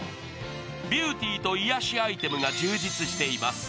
ビューティーと癒しアイテムが充実しています